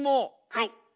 はい。